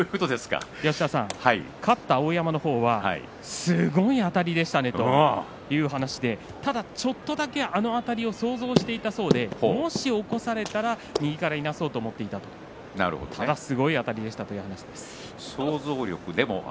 勝った碧山はすごいあたりでしたねという話でただちょっとだけ、あのあたりは想像していたそうでもし起こされたら右からいなそうと思っていたということです。